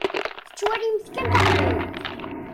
Tettwalimt kan taqbaylit.